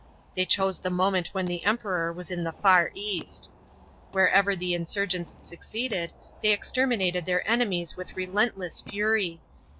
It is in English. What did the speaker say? They chose the moment when the Emperor was in the far east. Wherever the insurgents succeeded, they exterminated their enemies with relentless fury.